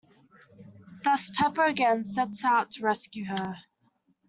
Thus, Pepper again sets out to rescue her...